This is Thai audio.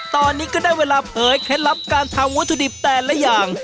ตอนนี้ก็ได้เวลาเผยเคล็ดลับการทำวัตถุดิบแต่ละอย่าง